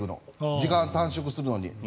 時間短縮するのに。